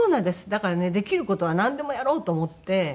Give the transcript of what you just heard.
だからねできる事はなんでもやろうと思って。